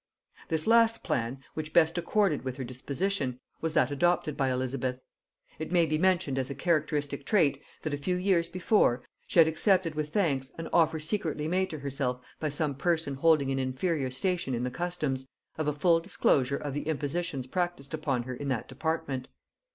This last plan, which best accorded with her disposition, was that adopted by Elizabeth. It may be mentioned as a characteristic trait, that a few years before, she had accepted with thanks an offer secretly made to herself by some person holding an inferior station in the customs, of a full disclosure of the impositions practised upon her in that department.